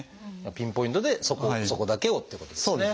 ピンポイントでそこだけをってことですね。